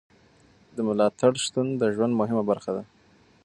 د ملاتړ شتون د ژوند مهمه برخه ده.